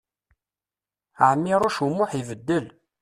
Ɛmiṛuc U Muḥ ibeddel.